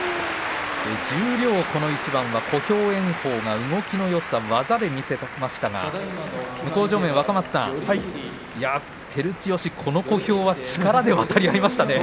十両この一番は小兵炎鵬が動きのよさ、技で見せましたが向正面の若松さん、照強この小兵は力で渡り合いましたね。